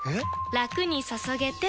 ラクに注げてペコ！